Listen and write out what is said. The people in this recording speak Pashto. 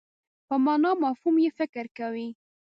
په مانا او مفهوم یې فکر کوي.